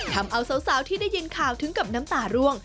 ทำเอาสาวที่ได้ยินข่าวถึงกับน้ำตาร่วง